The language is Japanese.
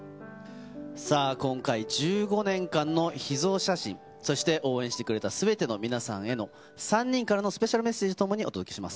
さあ、今回、１５年間の秘蔵写真、そして、応援してくれたすべての皆さんへの３人からのスペシャルメッセージとともにお届けします。